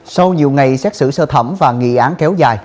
sau nhiều ngày xét xử sơ thẩm và nghị án kéo dài